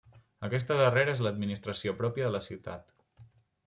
Aquesta darrera és l'administració pròpia de la ciutat.